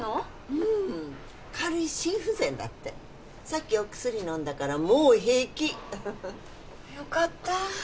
うん軽い心不全だってさっきお薬飲んだからもう平気よかった